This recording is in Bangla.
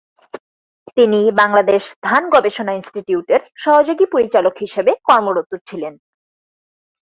তিনি বাংলাদেশ ধান গবেষণা ইন্সটিটিউটের "সহযোগী পরিচালক" হিসাবে কর্মরত ছিলেন।